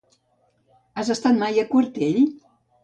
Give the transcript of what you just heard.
Has estat mai a Quartell?